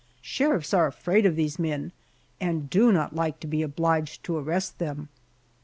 Sheriffs are afraid of these men, and do not like to be obliged to arrest them.